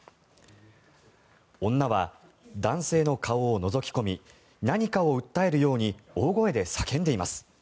女は男性の顔をのぞき込み何かを訴えるように大声で叫んでいます。